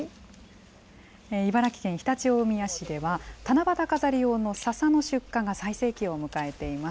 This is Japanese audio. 茨城県常陸大宮市では、七夕飾り用のささの出荷が最盛期を迎えています。